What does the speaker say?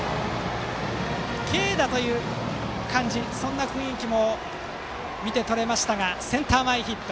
軽打という感じも見て取れましたがセンター前ヒット。